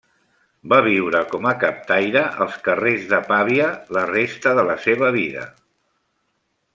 Va viure com a captaire als carrers de Pavia la resta de la seva vida.